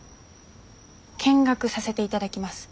見学させていただきます。